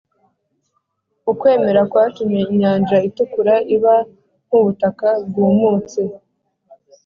ukwemera kwatumye inyanja itukura iba nk’ubutaka bwumutse